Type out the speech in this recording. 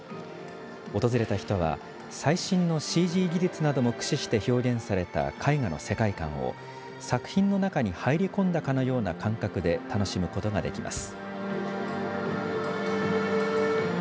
訪れた人は最新のＣＧ技術なども駆使して表現された絵画の世界観を作品の中に入り込んだかのような感覚で楽しむことができます。